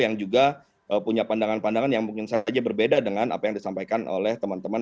yang juga punya pandangan pandangan yang mungkin saja berbeda dengan apa yang disampaikan oleh teman teman